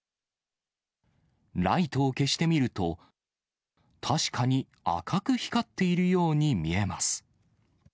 ライトを消してみると、確かに赤く光っているように見えます。